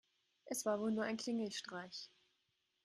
Es war wohl nur ein Klingelstreich.